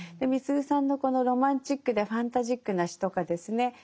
みすゞさんのこのロマンチックでファンタジックな詩とかですね